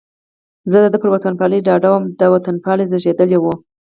زه د ده پر وطنپالنه ډاډه وم، دی وطنپال زېږېدلی و.